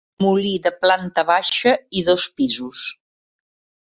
Molí de planta baixa i dos pisos.